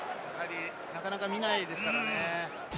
なかなか見ないですからね。